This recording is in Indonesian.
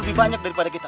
lebih banyak daripada kita